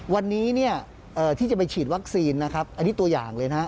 วันนี้ที่จะไปฉีดวัคซีนอันนี้ตัวอย่างเลยนะ